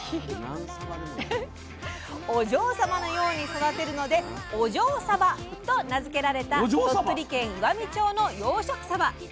お嬢様のように育てるので「お嬢サバ」と名付けられた鳥取県岩美町の養殖サバ。